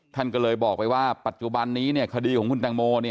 ท่านก็เลยบอกไปว่าปัจจุบันนี้คดีของคุณแตงโม